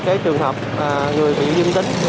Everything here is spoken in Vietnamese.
cái trường hợp người bị dương tính